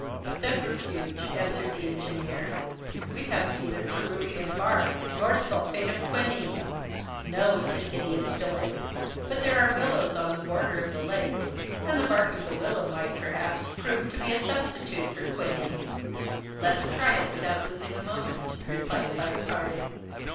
"A febrifuge " answered the engineer. "We have neither Peruvian bark, nor sulphate of quinine." "No," said Gideon Spilett, "but there are willows on the border of the lake, and the bark of the willow might, perhaps, prove to be a substitute for quinine." "Let us try it without losing a moment," replied Cyrus Harding.